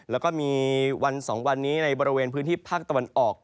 แล้วก็มีวัน๒วันนี้ในบริเวณพื้นที่ภาคตะวันออก